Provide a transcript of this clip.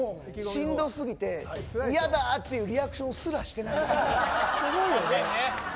しんどすぎて嫌だっていうリアクションすらしてない。